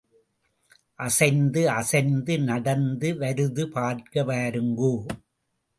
அசைந்து, அசைந்து நடந்து வருது பார்க்க வாருங்கோ.